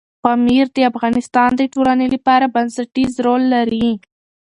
پامیر د افغانستان د ټولنې لپاره بنسټيز رول لري.